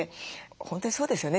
本当にそうですよね